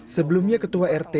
sebelumnya ketua rt